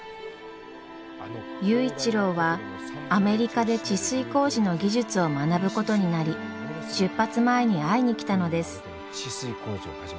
佑一郎はアメリカで治水工事の技術を学ぶことになり出発前に会いに来たのです。